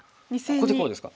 ここでこうですか？